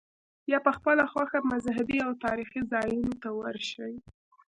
یا په خپله خوښه مذهبي او تاریخي ځایونو ته ورشې.